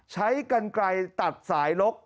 ใช้กันไกลตัดสายลก